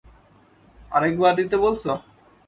আরেকবার দিতে বলছ?